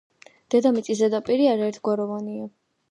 დედამიწის ზედაპირი არაერთგვაროვანია